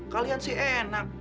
kalian sih enak